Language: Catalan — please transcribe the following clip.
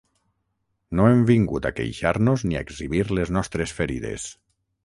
No hem vingut a queixar-nos ni a exhibir les nostres ferides.